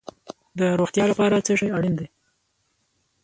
د روغتیا لپاره څه شی اړین دي؟